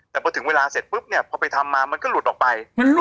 แต่พอถึงเวลาเสร็จปุ๊บเนี่ยพอไปทำมามันก็หลุดออกไป